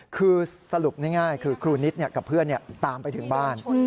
คือสรุปง่ายคือครูนิตกับเพื่อนตามไปถึงบ้าน